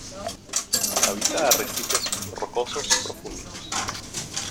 Habita arrecifes rocosos profundos.